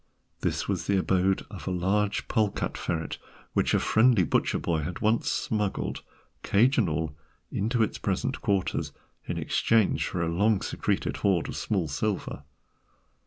This was the abode of a large polecat ferret, which a friendly butcher boy had once smuggled, cage and all, into its present quarters, in exchange for a long secreted hoard of small silver.